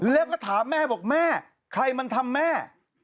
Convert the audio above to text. แล้วก็ถามแม่บอกแม่ใครมันทำแม่